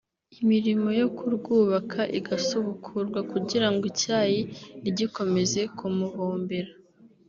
imirmo yo kurwubaka igasubukurwa kugira ngo icyayi ntigikomeze kumuhombera